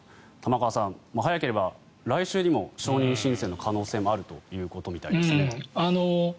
玉川さん早ければ来週にも承認申請の可能性があるということみたいですね。